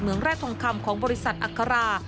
แร่ทองคำของบริษัทอัครา